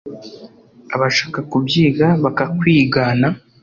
Abashaka kubyiga bakakwigana